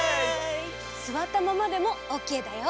すわったままでもオッケーだよ。